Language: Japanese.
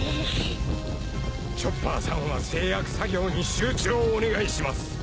チョッパーさんは製薬作業に集中をお願いします。